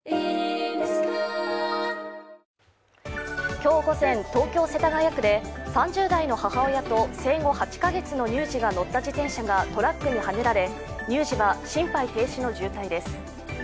今日午前、東京・世田谷区で３０代の母親と生後８カ月の乳児が乗った自転車がトラックにはねられ、乳児は心肺停止の重体です。